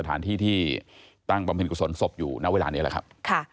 สถานที่ที่ตั้งบำเพ็ญกุศลศพอยู่ณเวลานี้แหละครับ